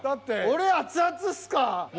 俺「熱々」っすか！